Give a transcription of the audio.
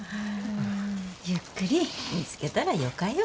ゆっくり見つけたらよかよ。